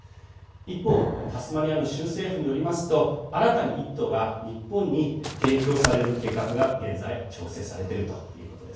一方タスマニアの州政府によりますと新たに１頭が日本に提供される計画が、現在調整されているということです。